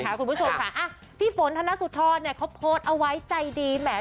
คุณผู้ชมค่ะอ่ะพี่ฝนธนสุธรเนี่ยเขาโพสต์เอาไว้ใจดีแหม